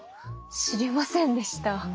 知りませんでした。